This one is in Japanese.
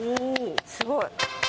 すごい。